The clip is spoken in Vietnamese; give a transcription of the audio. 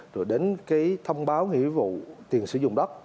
rồi đến cái thông báo nghĩa vụ tiền sử dụng đất